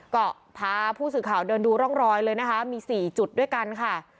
ก็พาผู้สื่อข่าวเดินดูร่องรอยเลยนะคะมี๔จุดด้วยกันค่ะ